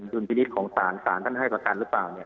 ดุลพิวิตของสารสารท่านให้ประกันหรือเปล่าเนี่ย